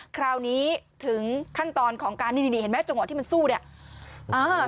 คราวนี้ถึงขั้นตอนของการนี่นี่เห็นไหมจังหวะที่มันสู้เนี่ย